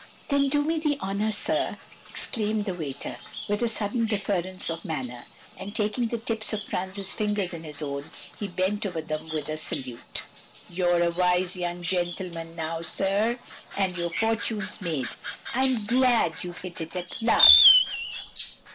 "'Then do me the honour, sir,' exclaimed the waiter, with a sudden deference of manner; and taking the tips of Franz's fingers in his own, he bent over them with a salute. 'You're a wise young gentleman now, sir, and your fortune's made. I'm glad you've hit it at last!